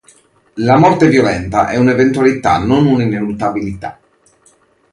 La morte violenta è un'eventualità non una ineluttabilità.